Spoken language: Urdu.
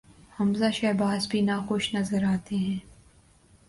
حمزہ شہباز بھی ناخوش نظر آتے تھے۔